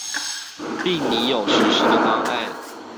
並擬有實施的方案